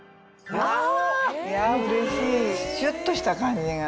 シュっとした感じが。